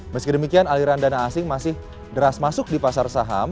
meski demikian aliran dana asing masih deras masuk di pasar saham